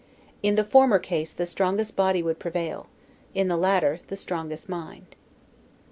In the former case the strongest body would prevail; in the latter, the strongest mind.